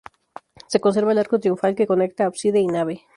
Se conserva el arco triunfal que conectaba ábside y nave.